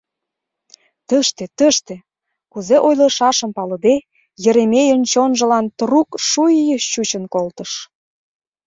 — Тыште, тыште... — кузе ойлышашым палыде, Еремейын чонжылан трук шуй-й чучын колтыш.